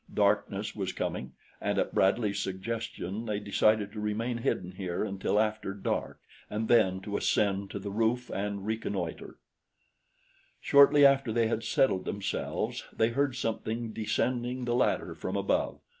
Darkness was coming, and at Bradley's suggestion they decided to remain hidden here until after dark and then to ascend to the roof and reconnoiter. Shortly after they had settled themselves they heard something descending the ladder from above.